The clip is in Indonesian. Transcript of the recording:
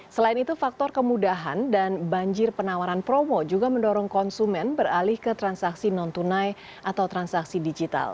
selain itu faktor kemudahan dan banjir penawaran promo juga mendorong konsumen beralih ke transaksi non tunai atau transaksi digital